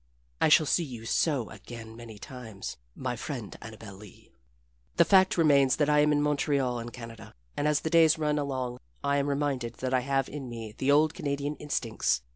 I shall see you so again many times, my friend Annabel Lee. The fact remains that I am in Montreal and Canada. And as the days run along I am reminded that I have in me the old Canadian instincts.